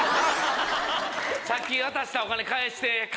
さっき渡したお金返して。